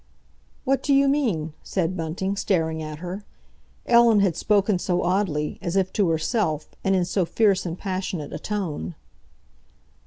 "What do you mean?" said Bunting, staring at her. Ellen had spoken so oddly, as if to herself, and in so fierce and passionate a tone.